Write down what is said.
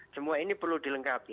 semua ini perlu dilengkapi